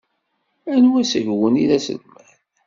Anwa seg-wen i d aselmad.